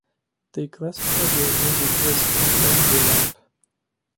They classify their music as "Goonda Rap".